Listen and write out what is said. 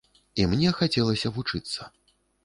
І мне хацелася вучыцца.